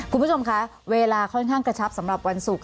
คุณผู้ชมคะเวลาค่อนข้างกระชับสำหรับวันศุกร์